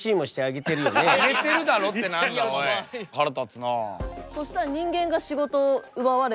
腹立つなあ。